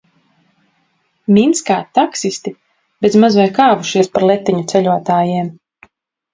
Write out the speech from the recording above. Minskā taksisti bez maz vai kāvušies par letiņu ceļotājiem.